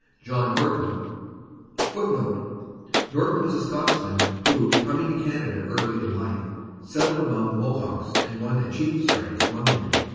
John Norton, [Footnote: Norton was a Scotsman who, coming to Canada early in life, settled among the Mohawks and won a chief's rank among them.